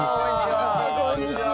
こんにちは。